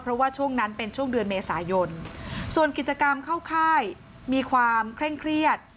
เพราะว่าช่วงนั้นเป็นช่วงเดือนเมษายนส่วนกิจกรรมเข้าค่ายมีความเคร่งเครียด